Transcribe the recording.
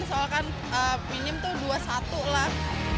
soalnya kan minimum itu dua satu lah